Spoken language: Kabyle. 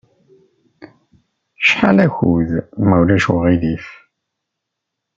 Acḥal akud, ma ulac aɣilif?